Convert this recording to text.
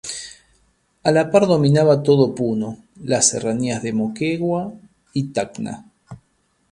A la par dominaba todo Puno, las serranías de Moquegua y Tacna.